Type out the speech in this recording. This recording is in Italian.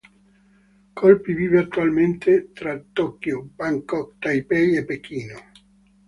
Colpi vive attualmente tra Tokyo, Bangkok, Taipei e Pechino.